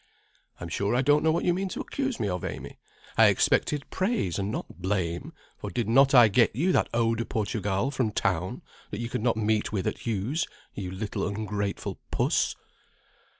"I'm sure I don't know what you mean to accuse me of, Amy; I expected praise and not blame; for did not I get you that eau de Portugal from town, that you could not meet with at Hughes', you little ungrateful puss?"